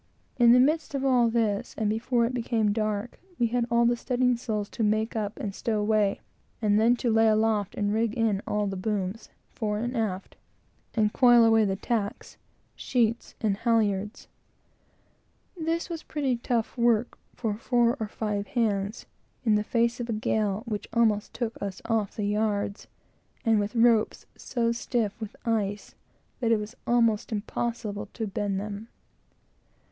In the midst of all this, and before it became dark, we had all the studding sails to make up and stow away, and then to lay aloft and rig in all the booms, fore and aft, and coil away the tacks, sheets, and halyards. This was pretty tough work for four or five hands, in the face of a gale which almost took us off the yards, and with ropes so stiff with ice that it was almost impossible to bend them.